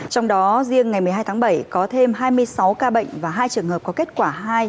trong đó riêng ngày một mươi hai tháng bảy có thêm hai mươi sáu ca bệnh và hai trường hợp có kết quả hai